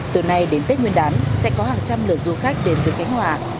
từ nay đến tết nguyên đán sẽ có hàng trăm lượt du khách đến từ khánh hòa